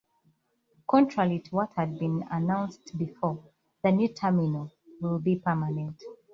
Contrary to what had been announced before, the new terminal will be permanent.